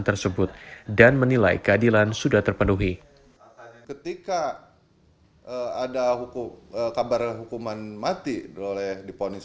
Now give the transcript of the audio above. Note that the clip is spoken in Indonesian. tersebut dan menilai keadilan sudah terpenuhi ketika ada hukum kabar hukuman mati boleh diponis